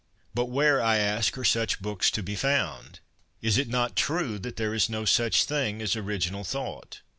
But where, I ask, are such books to be found ? Is it not true that there is no such thing as original thought